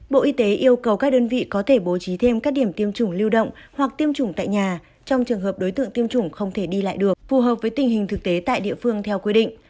bộ y tế yêu cầu các đơn vị có thể bố trí thêm các điểm tiêm chủng lưu động hoặc tiêm chủng tại nhà trong trường hợp đối tượng tiêm chủng không thể đi lại được phù hợp với tình hình thực tế tại địa phương theo quy định